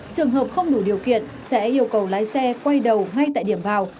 trường hợp không đủ điều kiện sẽ yêu cầu lái xe quay đầu ngay tại điểm vào